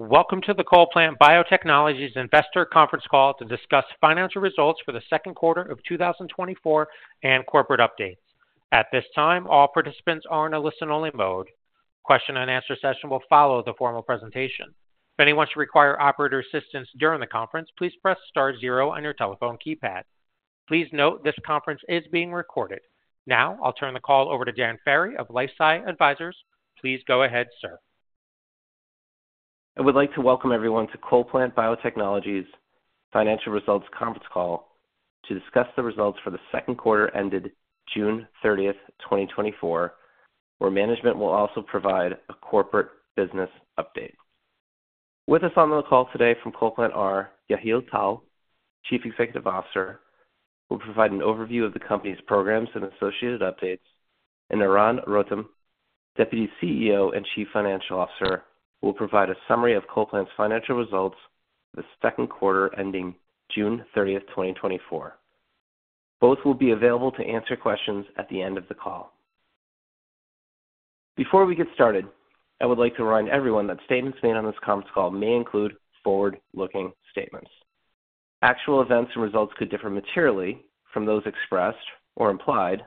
Welcome to the CollPlant Biotechnologies investor conference call to discuss financial results for the second quarter of 2024 and corporate updates. At this time, all participants are in a listen-only mode. Question and answer session will follow the formal presentation. If anyone should require operator assistance during the conference, please press star zero on your telephone keypad. Please note this conference is being recorded. Now I'll turn the call over to Dan Ferry of LifeSci Advisors. Please go ahead, sir. I would like to welcome everyone to CollPlant Biotechnologies financial results conference call to discuss the results for the second quarter ended June 13th,2024, where management will also provide a corporate business update. With us on the call today from CollPlant are Yehiel Tal, Chief Executive Officer, will provide an overview of the company's programs and associated updates, and Eran Rotem, Deputy CEO and Chief Financial Officer, will provide a summary of CollPlant's financial results for the second quarter, ending June 13th, 2024. Both will be available to answer questions at the end of the call. Before we get started, I would like to remind everyone that statements made on this conference call may include forward-looking statements. Actual events and results could differ materially from those expressed or implied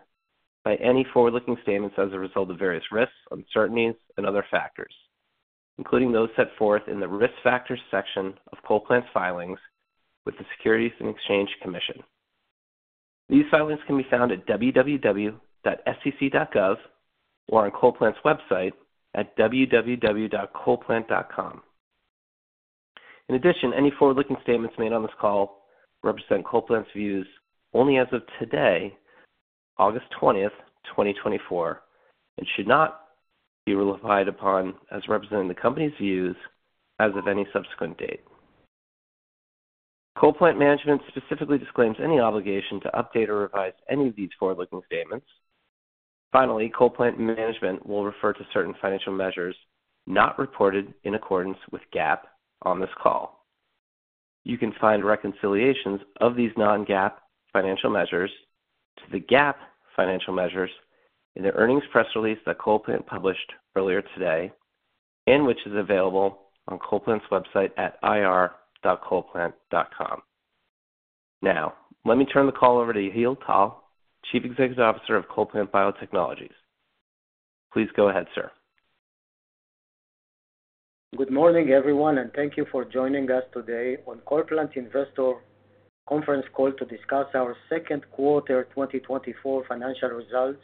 by any forward-looking statements as a result of various risks, uncertainties, and other factors, including those set forth in the Risk Factors section of CollPlant's filings with the Securities and Exchange Commission. These filings can be found at www.sec.gov or on CollPlant's website at www.collplant.com. In addition, any forward-looking statements made on this call represent CollPlant's views only as of today, August 12th, 2024, and should not be relied upon as representing the Company's views as of any subsequent date. CollPlant management specifically disclaims any obligation to update or revise any of these forward-looking statements. Finally, CollPlant management will refer to certain financial measures not reported in accordance with GAAP on this call. You can find reconciliations of these non-GAAP financial measures to the GAAP financial measures in the earnings press release that CollPlant published earlier today, and which is available on CollPlant's website at ir.collplant.com. Now, let me turn the call over to Yehiel Tal, Chief Executive Officer of CollPlant Biotechnologies. Please go ahead, sir. Good morning, everyone, and thank you for joining us today on CollPlant Investor Conference Call to discuss our second quarter 2024 financial results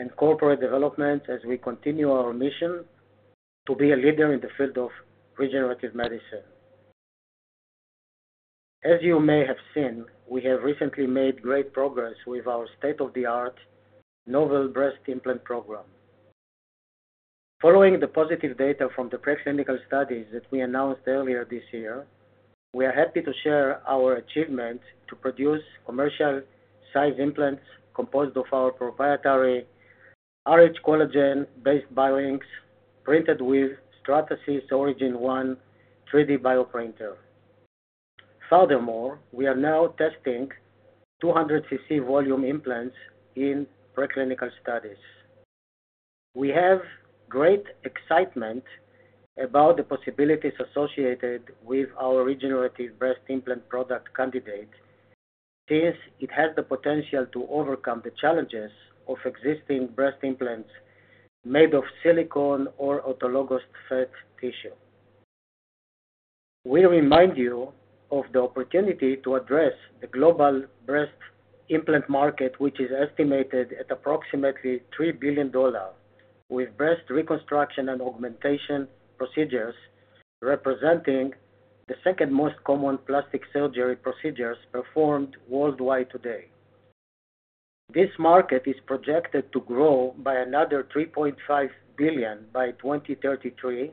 and corporate development as we continue our mission to be a leader in the field of regenerative medicine. As you may have seen, we have recently made great progress with our state-of-the-art novel breast implant program. Following the positive data from the preclinical studies that we announced earlier this year, we are happy to share our achievement to produce commercial-size implants composed of our proprietary rhCollagen-based Bioinks, printed with Stratasys Origin One 3D bioprinter. Furthermore, we are now testing 200 cc volume implants in preclinical studies. We have great excitement about the possibilities associated with our regenerative breast implant product candidate, since it has the potential to overcome the challenges of existing breast implants made of silicone or autologous fat tissue. We remind you of the opportunity to address the global breast implant market, which is estimated at approximately $3 billion, with breast reconstruction and augmentation procedures representing the second most common plastic surgery procedures performed worldwide today. This market is projected to grow by another $3.5 billion by 2033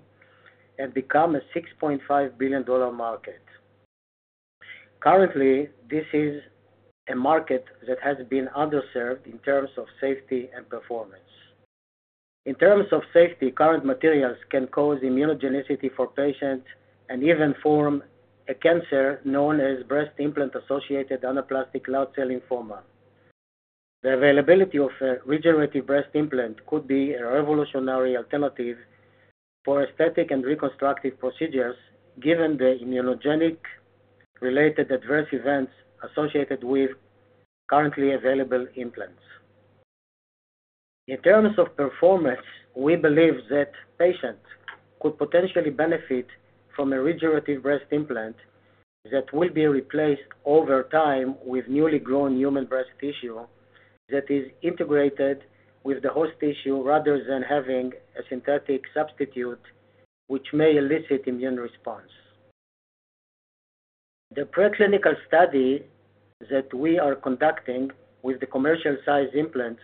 and become a $6.5 billion dollar market. Currently, this is a market that has been underserved in terms of safety and performance. In terms of safety, current materials can cause immunogenicity for patients and even form a cancer known as Breast Implant-Associated Anaplastic Large Cell Lymphoma. The availability of a regenerative breast implant could be a revolutionary alternative for aesthetic and reconstructive procedures, given the immunogenic-related adverse events associated with currently available implants. In terms of performance, we believe that patients could potentially benefit from a regenerative breast implant that will be replaced over time with newly grown human breast tissue that is integrated with the host tissue, rather than having a synthetic substitute which may elicit immune response. The preclinical study that we are conducting with the commercial-size implant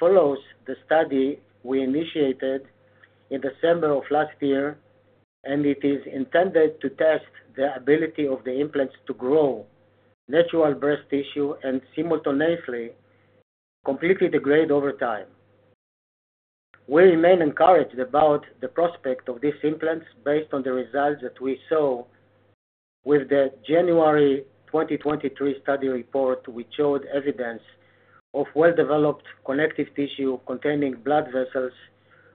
follows the study we initiated in December of last year, and it is intended to test the ability of the implants to grow natural breast tissue and simultaneously completely degrade over time. We remain encouraged about the prospect of these implants based on the results that we saw. With the January 2023 study report, we showed evidence of well-developed connective tissue containing blood vessels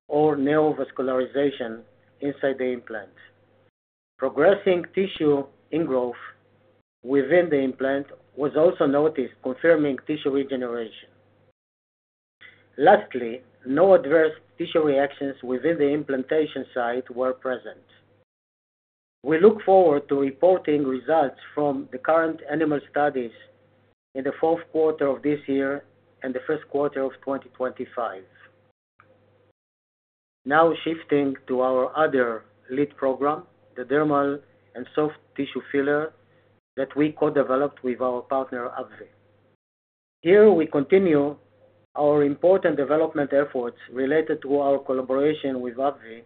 or neovascularization inside the implant. Progressing tissue ingrowth within the implant was also noticed, confirming tissue regeneration. Lastly, no adverse tissue reactions within the implantation site were present. We look forward to reporting results from the current animal studies in the fourth quarter of this year and the first quarter of 2025. Now shifting to our other lead program, the dermal and soft tissue filler that we co-developed with our partner, AbbVie. Here we continue our important development efforts related to our collaboration with AbbVie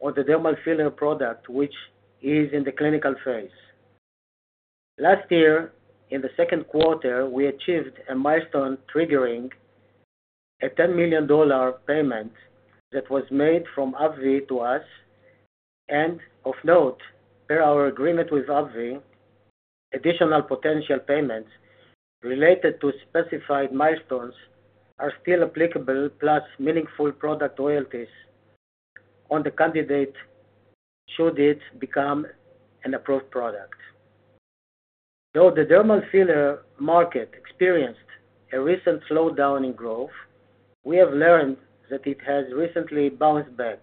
on the dermal filler product, which is in the clinical phase. Last year, in the second quarter, we achieved a milestone, triggering a $10 million payment that was made from AbbVie to us, and of note, per our agreement with AbbVie, additional potential payments related to specified milestones are still applicable, plus meaningful product royalties on the candidate, should it become an approved product. Though the dermal filler market experienced a recent slowdown in growth, we have learned that it has recently bounced back.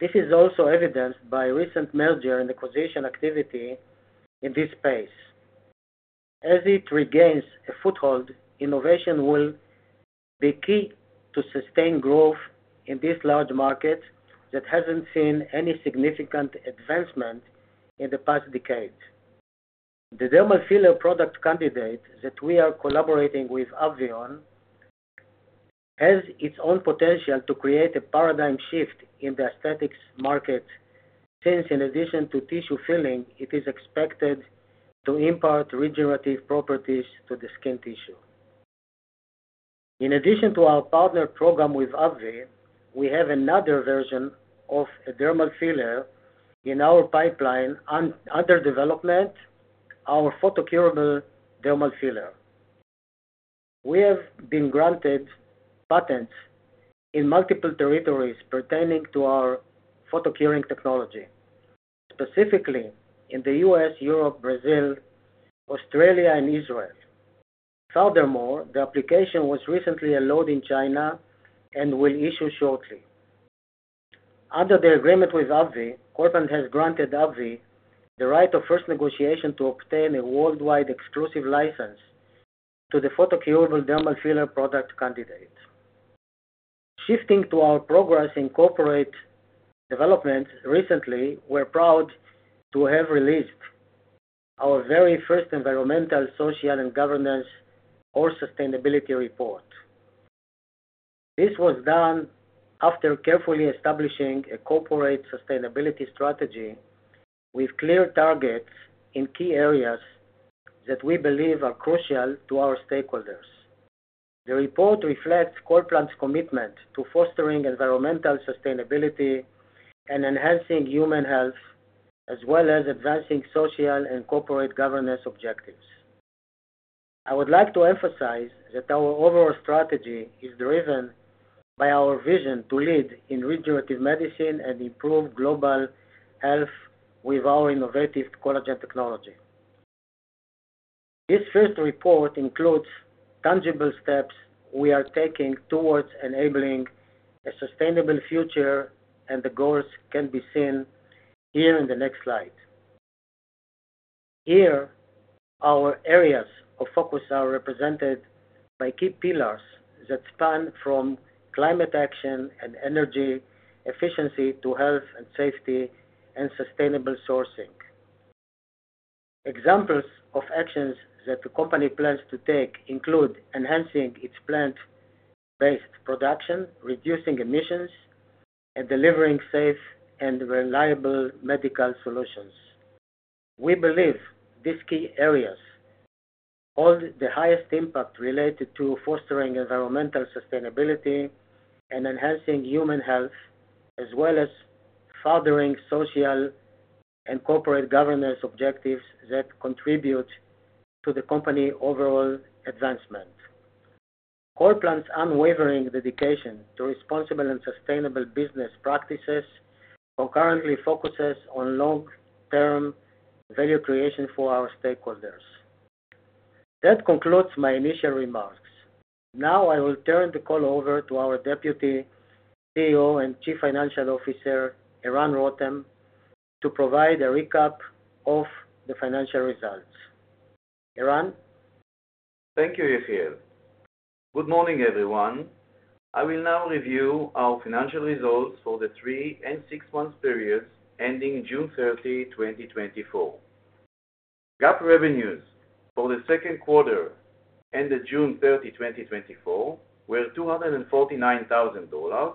This is also evidenced by recent merger and acquisition activity in this space. As it regains a foothold, innovation will be key to sustain growth in this large market that hasn't seen any significant advancement in the past decade. The dermal filler product candidate that we are collaborating with AbbVie on has its own potential to create a paradigm shift in the aesthetics market, since in addition to tissue filling, it is expected to impart regenerative properties to the skin tissue. In addition to our partner program with AbbVie, we have another version of a dermal filler in our pipeline under development, our photocurable dermal filler. We have been granted patents in multiple territories pertaining to our photocuring technology, specifically in the U.S., Europe, Brazil, Australia, and Israel. Furthermore, the application was recently allowed in China and will issue shortly. Under the agreement with AbbVie, CollPlant has granted AbbVie the right of first negotiation to obtain a worldwide exclusive license to the photocurable dermal filler product candidate. Shifting to our progress in corporate development, recently, we're proud to have released our very first environmental, social, and governance, or sustainability report. This was done after carefully establishing a corporate sustainability strategy with clear targets in key areas that we believe are crucial to our stakeholders. The report reflects CollPlant's commitment to fostering environmental sustainability and enhancing human health, as well as advancing social and corporate governance objectives. I would like to emphasize that our overall strategy is driven by our vision to lead in regenerative medicine and improve global health with our innovative collagen technology. This first report includes tangible steps we are taking toward enabling a sustainable future, and the goals can be seen here in the next slide. Here, our areas of focus are represented by key pillars that span from climate action and energy efficiency to health and safety and sustainable sourcing. Examples of actions that the company plans to take include enhancing its plant-based production, reducing emissions, and delivering safe and reliable medical solutions. We believe these key areas hold the highest impact related to fostering environmental sustainability and enhancing human health, as well as furthering social and corporate governance objectives that contribute to the company overall advancement. CollPlant's unwavering dedication to responsible and sustainable business practices concurrently focuses on long-term value creation for our stakeholders. That concludes my initial remarks. Now I will turn the call over to our Deputy CEO and Chief Financial Officer, Eran Rotem, to provide a recap of the financial results. Eran? Thank you, Yehiel. Good morning, everyone. I will now review our financial results for the three and six-month periods ending June 30, 2024. GAAP revenues for the second quarter, ended June 30, 2024, were $249,000,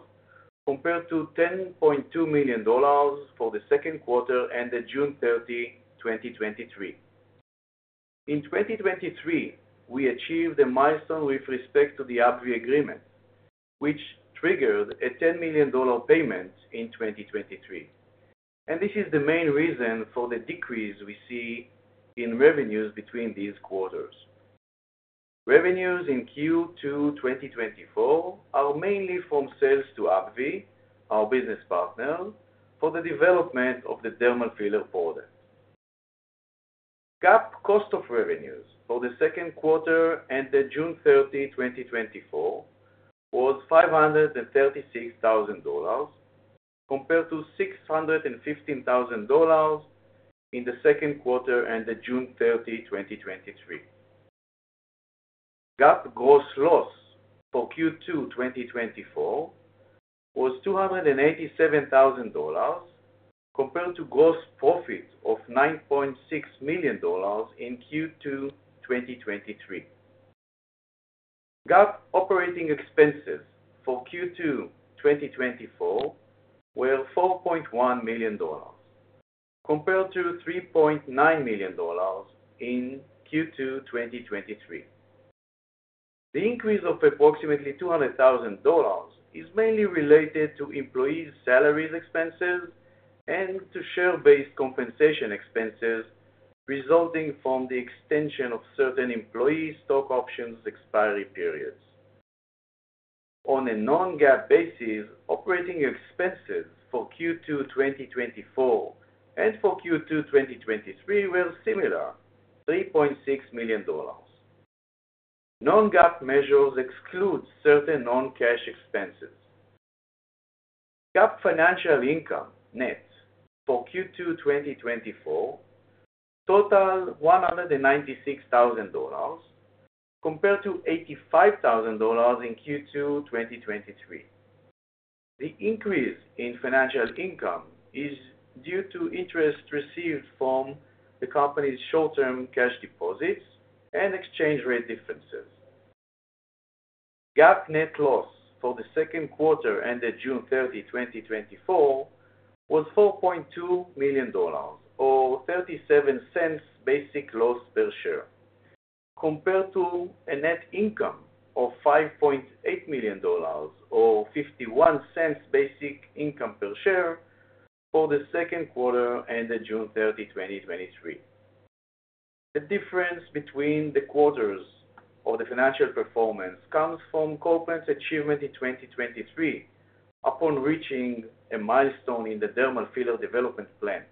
compared to $10.2 million for the second quarter, ended June 30, 2023. In 2023, we achieved a milestone with respect to the AbbVie agreement, which triggered a $10 million payment in 2023, and this is the main reason for the decrease we see in revenues between these quarters. Revenues in Q2, 2024, are mainly from sales to AbbVie, our business partner, for the development of the dermal filler product. GAAP cost of revenues for the second quarter ended June 30, 2024, was $536,000, compared to $615,000 in the second quarter ended June 30, 2023. GAAP gross loss for Q2 2024 was $287,000, compared to gross profit of $9.6 million in Q2 2023. GAAP operating expenses for Q2 2024 were $4.1 million, compared to $3.9 million in Q2 2023. The increase of approximately $200,000 is mainly related to employees' salaries, expenses, and to share-based compensation expenses resulting from the extension of certain employee stock options expiry periods. On a non-GAAP basis, operating expenses for Q2 2024 and for Q2 2023 were similar, $3.6 million. Non-GAAP measures exclude certain non-cash expenses. GAAP financial income net for Q2 2024 totaled $196,000, compared to $85,000 in Q2 2023. The increase in financial income is due to interest received from the company's short-term cash deposits and exchange rate differences. GAAP net loss for the second quarter ended June 30, 2024, was $4.2 million, or $0.37 basic loss per share, compared to a net income of $5.8 million, or $0.51 basic income per share for the second quarter ended June 30, 2023. The difference between the quarters of the financial performance comes from CollPlant's achievement in 2023, upon reaching a milestone in the dermal filler development plan.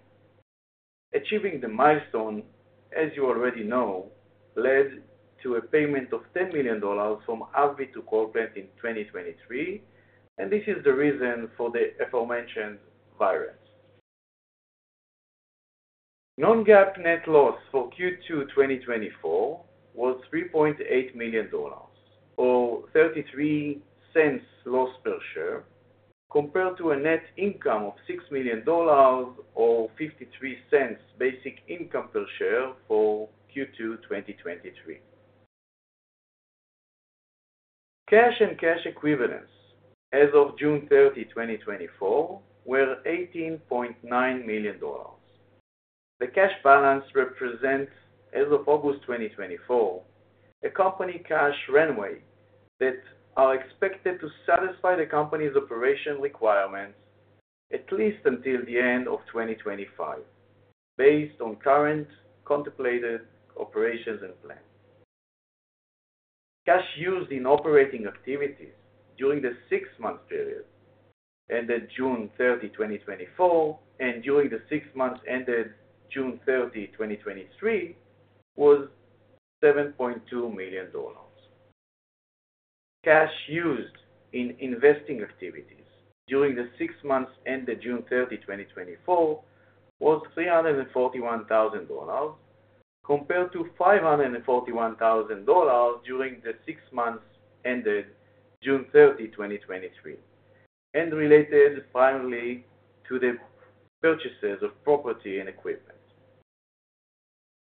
Achieving the milestone, as you already know, led to a payment of $10 million from AbbVie to CollPlant in 2023, and this is the reason for the aforementioned variance. Non-GAAP net loss for Q2 2024 was $3.8 million, or $0.33 loss per share, compared to a net income of $6 million, or $0.53 basic income per share for Q2 2023. Cash and cash equivalents as of June 30, 2024, were $18.9 million. The cash balance represents, as of August 2024, a company cash runway that are expected to satisfy the company's operation requirements at least until the end of 2025, based on current contemplated operations and plans. Cash used in operating activities during the six-month period ended June 30, 2024, and during the six months ended June 30, 2023, was $7.2 million. Cash used in investing activities during the six months ended June 30, 2024, was $341,000, compared to $541,000 during the six months ended June 30, 2023, and related primarily to the purchases of property and equipment.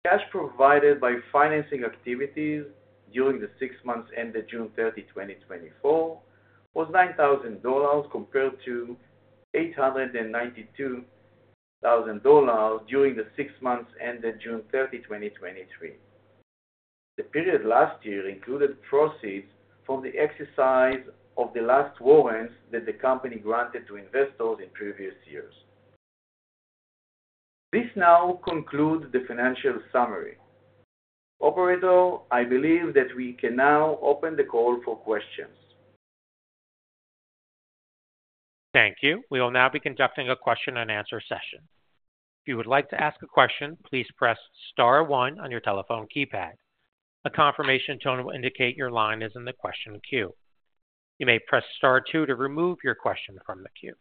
Cash provided by financing activities during the six months ended June 30, 2024, was $9,000, compared to $892,000 during the six months ended June 30, 2023. The period last year included proceeds from the exercise of the last warrants that the company granted to investors in previous years. This now concludes the financial summary. Operator, I believe that we can now open the call for questions. Thank you. We will now be conducting a question-and-answer session. If you would like to ask a question, please press star one on your telephone keypad. A confirmation tone will indicate your line is in the question queue. You may press star two to remove your question from the queue.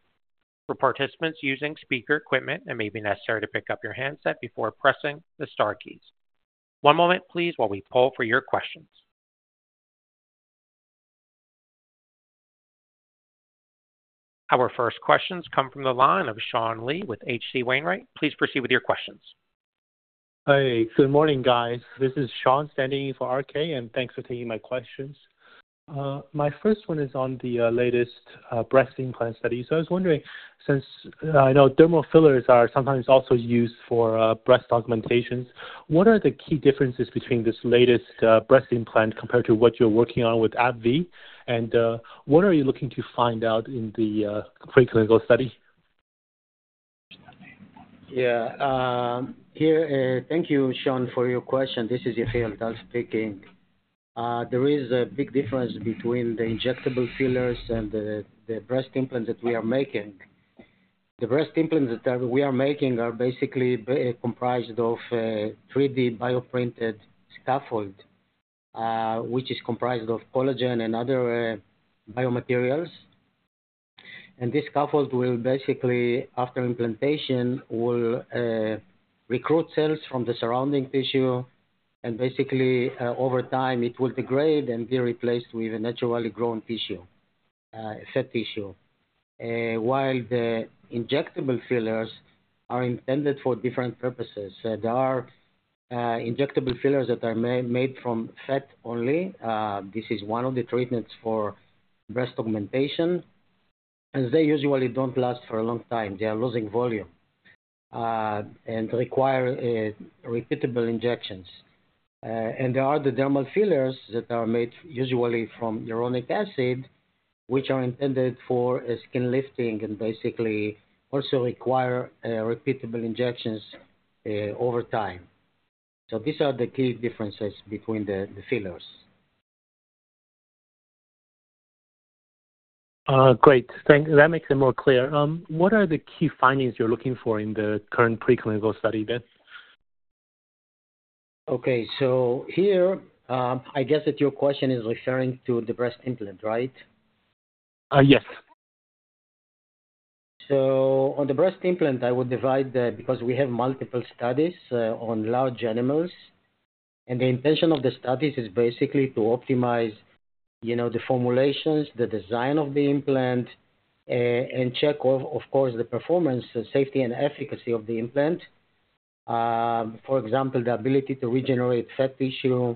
For participants using speaker equipment, it may be necessary to pick up your handset before pressing the star keys. One moment please, while we poll for your questions. Our first questions come from the line of Sean Lee with H.C. Wainwright. Please proceed with your questions. Hi, good morning, guys. This is Sean standing in for RK, and thanks for taking my questions. My first one is on the latest breast implant study, so I was wondering, since I know dermal fillers are sometimes also used for breast augmentations, what are the key differences between this latest breast implant compared to what you're working on with AbbVie, and what are you looking to find out in the preclinical study? Thank you, Sean, for your question. This is Yehiel Tal speaking. There is a big difference between the injectable fillers and the breast implants that we are making. The breast implants that we are making are basically comprised of 3D bioprinted scaffold, which is comprised of collagen and other biomaterials. This scaffold will basically, after implantation, recruit cells from the surrounding tissue, and basically, over time, it will degrade and be replaced with a naturally grown tissue, fat tissue. While the injectable fillers are intended for different purposes. There are injectable fillers that are made from fat only. This is one of the treatments for breast augmentation, as they usually don't last for a long time. They are losing volume and require repeatable injections. There are the dermal fillers that are made usually from hyaluronic acid, which are intended for skin lifting and basically also require repeatable injections over time. So these are the key differences between the fillers. Great. That makes it more clear. What are the key findings you're looking for in the current preclinical study then? Okay. So here, I guess that your question is referring to the breast implant, right? Uh, yes. On the breast implant, I would divide because we have multiple studies on large animals, and the intention of the studies is basically to optimize, you know, the formulations, the design of the implant, and check, of course, the performance, the safety, and efficacy of the implant. For example, the ability to regenerate fat tissue,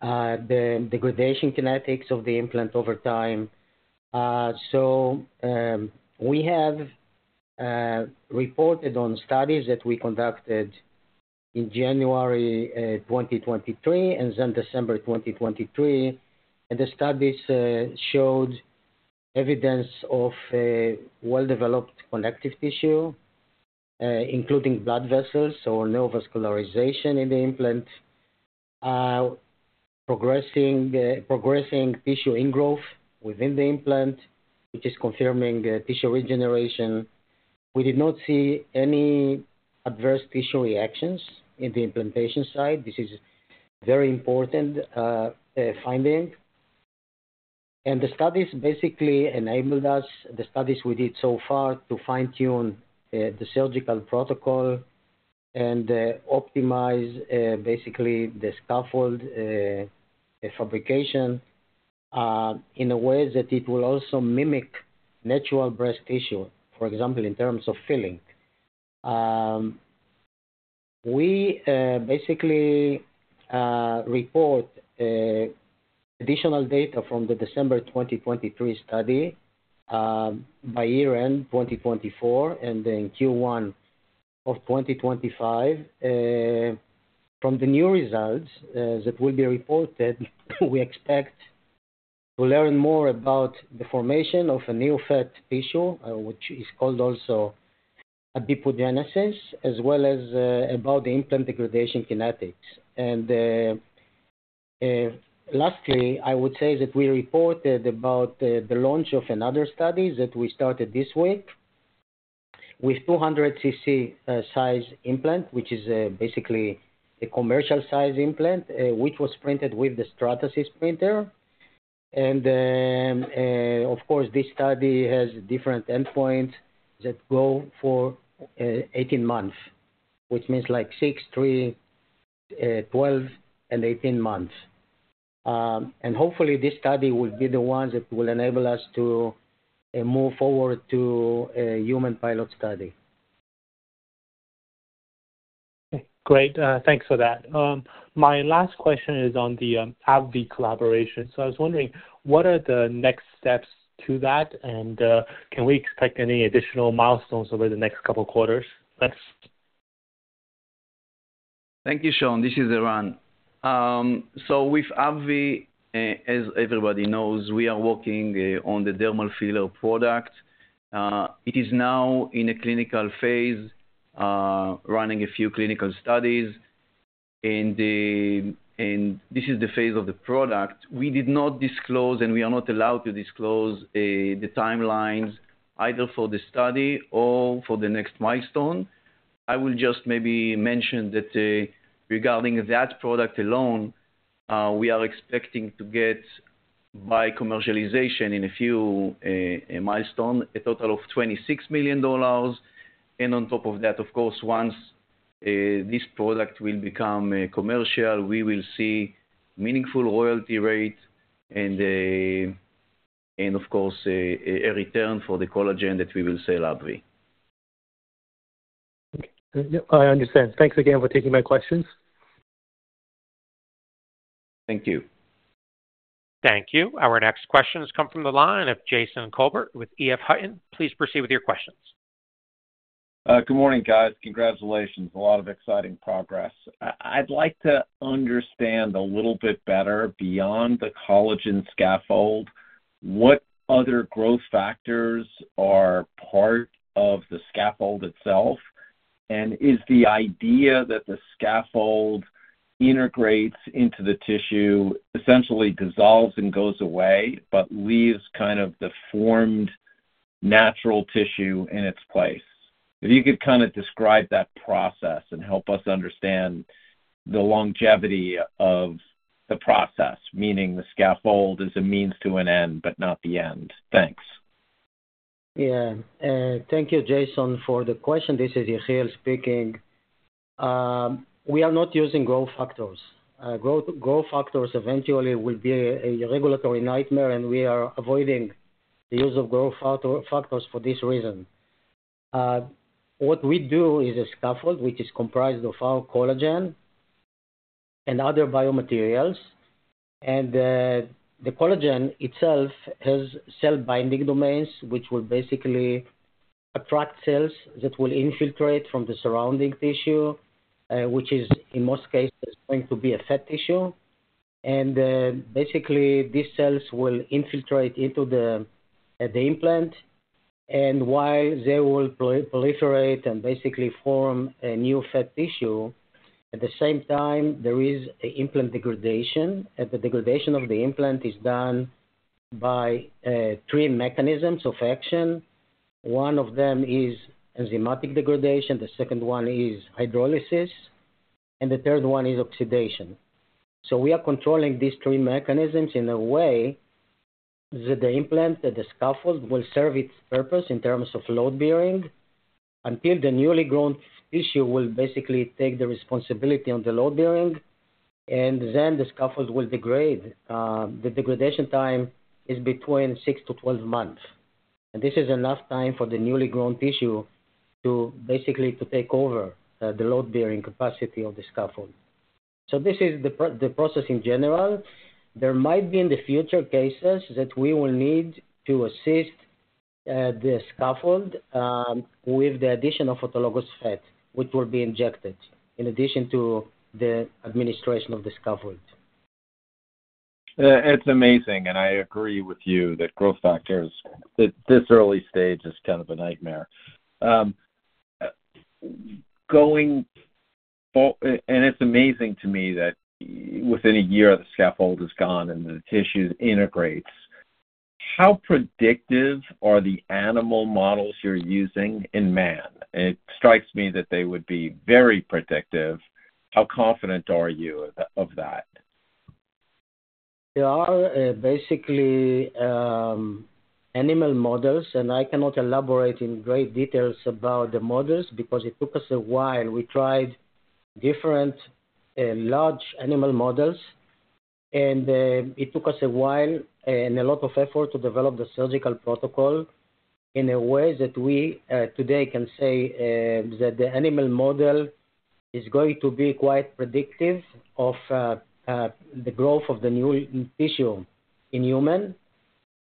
the degradation kinetics of the implant over time. We have reported on studies that we conducted in January 2023, and then December 2023. The studies showed evidence of a well-developed connective tissue, including blood vessels or neovascularization in the implant. Progressing tissue ingrowth within the implant, which is confirming the tissue regeneration. We did not see any adverse tissue reactions in the implantation site. This is very important finding. The studies basically enabled us, the studies we did so far, to fine-tune the surgical protocol and optimize basically the scaffold the fabrication in a way that it will also mimic natural breast tissue, for example, in terms of filling. We basically report additional data from the December 2023 study by year-end 2024, and then Q1 of 2025. From the new results that will be reported, we expect to learn more about the formation of a new fat tissue, which is called also adipogenesis, as well as about the implant degradation kinetics. Lastly, I would say that we reported about the launch of another study that we started this week with 200 cc size implant, which is basically a commercial-size implant, which was printed with the Stratasys printer. Of course, this study has different endpoints that go for 18 months, which means like six, three, 12, and 18 months. Hopefully this study will be the one that will enable us to move forward to a human pilot study. Great. Thanks for that. My last question is on the AbbVie collaboration. So I was wondering, what are the next steps to that? And, can we expect any additional milestones over the next couple of quarters? Thanks. Thank you, Sean. This is Eran. So with AbbVie, as everybody knows, we are working on the dermal filler product. It is now in a clinical phase, running a few clinical studies, and this is the phase of the product. We did not disclose, and we are not allowed to disclose, the timelines either for the study or for the next milestone. I will just maybe mention that, regarding that product alone, we are expecting to get by commercialization in a few, a milestone, a total of $26 million. And on top of that, of course, once this product will become commercial. We will see meaningful royalty rate and, of course, a return for the collagen that we will sell out of it. Yep, I understand. Thanks again for taking my questions. Thank you. Thank you. Our next question has come from the line of Jason Kolbert with EF Hutton. Please proceed with your questions. Good morning, guys. Congratulations. A lot of exciting progress. I'd like to understand a little bit better, beyond the collagen scaffold, what other growth factors are part of the scaffold itself? And is the idea that the scaffold integrates into the tissue, essentially dissolves and goes away, but leaves kind of the formed natural tissue in its place? If you could kinda describe that process and help us understand the longevity of the process, meaning the scaffold is a means to an end, but not the end. Thanks. Yeah. Thank you, Jason, for the question. This is Yehiel speaking. We are not using growth factors. Growth factors eventually will be a regulatory nightmare, and we are avoiding the use of growth factors for this reason. What we do is a scaffold, which is comprised of our collagen and other biomaterials, and the collagen itself has cell-binding domains, which will basically attract cells that will infiltrate from the surrounding tissue, which is, in most cases, going to be a fat tissue. And basically, these cells will infiltrate into the implant, and while they will proliferate and basically form a new fat tissue, at the same time, there is an implant degradation. And the degradation of the implant is done by three mechanisms of action. One of them is enzymatic degradation, the second one is hydrolysis, and the third one is oxidation. So we are controlling these three mechanisms in a way that the implant or the scaffold will serve its purpose in terms of load-bearing, until the newly grown tissue will basically take the responsibility on the load-bearing, and then the scaffold will degrade. The degradation time is between six to 12 months, and this is enough time for the newly grown tissue to basically take over the load-bearing capacity of the scaffold. So this is the process in general. There might be, in the future, cases that we will need to assist the scaffold with the addition of autologous fat, which will be injected, in addition to the administration of the scaffold. It's amazing, and I agree with you that growth factors at this early stage is kind of a nightmare. It's amazing to me that within a year, the scaffold is gone, and the tissue integrates. How predictive are the animal models you're using in man? It strikes me that they would be very predictive. How confident are you of that? There are basically animal models, and I cannot elaborate in great details about the models because it took us a while. We tried different large animal models, and it took us a while and a lot of effort to develop the surgical protocol in a way that we today can say that the animal model is going to be quite predictive of the growth of the new tissue in human.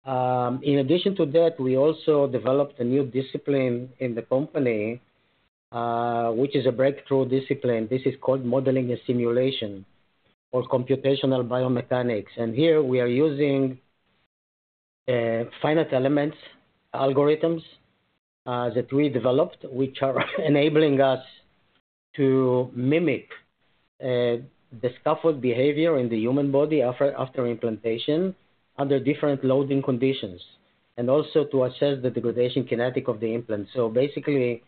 In addition to that, we also developed a new discipline in the company, which is a breakthrough discipline. This is called modeling and simulation or computational biomechanics. Here we are using finite element algorithms that we developed, which are enabling us to mimic the scaffold behavior in the human body after implantation under different loading conditions, and also to assess the degradation kinetics of the implant. Basically,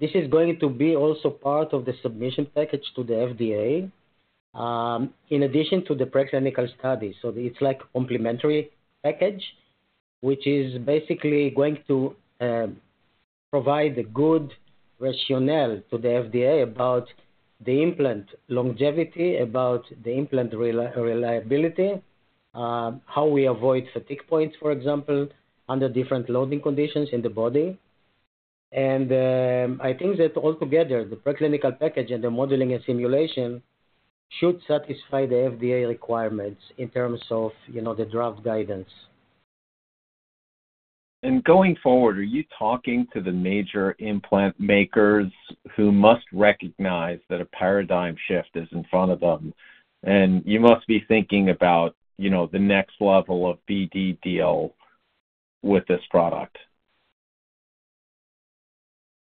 this is going to be also part of the submission package to the FDA in addition to the preclinical study. It's like a complementary package, which is basically going to provide a good rationale to the FDA about the implant longevity, about the implant reliability, how we avoid fatigue points, for example, under different loading conditions in the body. I think that altogether, the preclinical package and the modeling and simulation should satisfy the FDA requirements in terms of, you know, the draft guidance. Going forward, are you talking to the major implant makers who must recognize that a paradigm shift is in front of them? You must be thinking about, you know, the next level of BD deal with this product?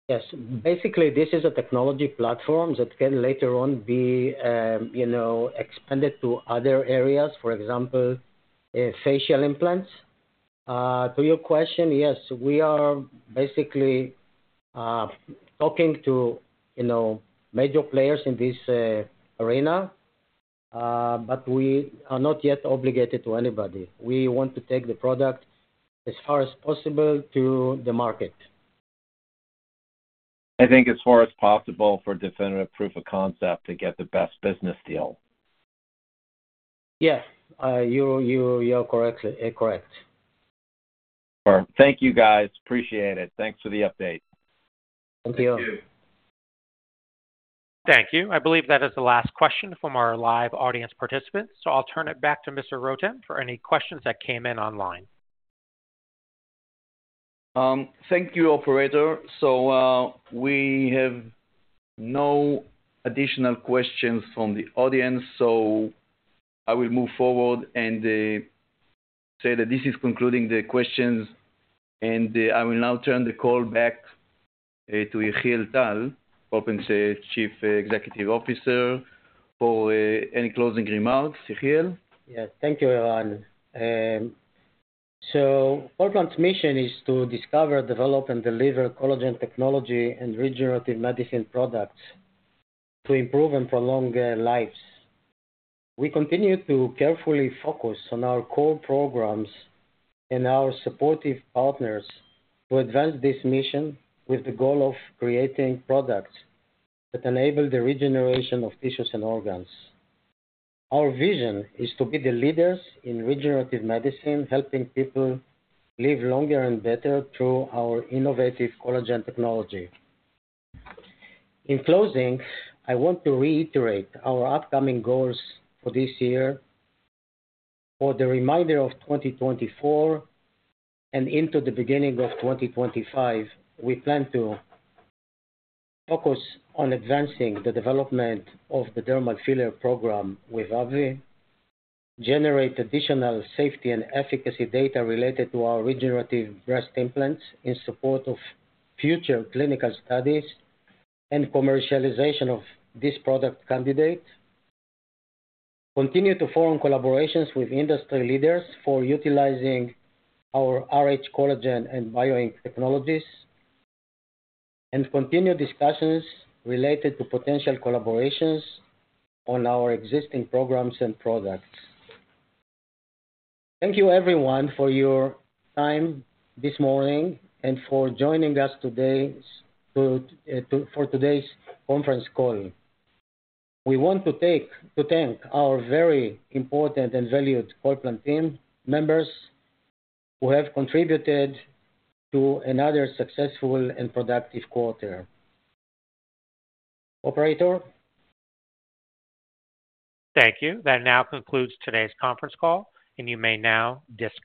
Yes. Basically, this is a technology platform that can later on be, you know, expanded to other areas, for example, facial implants. To your question, yes, we are basically talking to, you know, major players in this arena. But we are not yet obligated to anybody. We want to take the product as far as possible to the market. I think as far as possible for definitive proof of concept to get the best business deal. Yes. You are correctly correct. Thank you, guys. Appreciate it. Thanks for the update. Thank you. Thank you. I believe that is the last question from our live audience participants, so I'll turn it back to Mr. Rotem for any questions that came in online. Thank you, operator. We have no additional questions from the audience, so I will move forward and say that this is concluding the questions, and I will now turn the call back to Yehiel Tal, [CollPlant's] Chief Executive Officer, for any closing remarks. Yehiel? Yes. Thank you, Ron. So CollPlant's mission is to discover, develop, and deliver collagen technology and regenerative medicine products to improve and prolong lives. We continue to carefully focus on our core programs and our supportive partners to advance this mission, with the goal of creating products that enable the regeneration of tissues and organs. Our vision is to be the leaders in regenerative medicine, helping people live longer and better through our innovative collagen technology. In closing, I want to reiterate our upcoming goals for this year. For the remainder of 2024 and into the beginning of 2025, we plan to focus on advancing the development of the dermal filler program with AbbVie, generate additional safety and efficacy data related to our regenerative breast implants in support of future clinical studies and commercialization of this product candidate. Continue to form collaborations with industry leaders for utilizing our rhCollagen and Bioink technologies, and continue discussions related to potential collaborations on our existing programs and products. Thank you, everyone, for your time this morning and for joining us today to for today's conference call. We want to thank our very important and valued CollPlant team members who have contributed to another successful and productive quarter. Operator? Thank you. That now concludes today's conference call, and you may now disconnect.